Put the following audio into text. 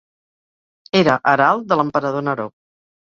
Era herald de l'emperador Neró.